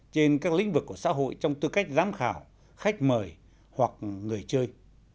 trên các lĩnh vực của xã hội trong tư cách giám khảo khách mời hoặc người chơi